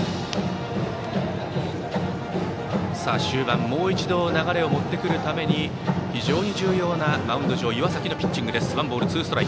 終盤、もう一度流れを持ってくるために非常に重要なマウンド上岩崎のピッチングです。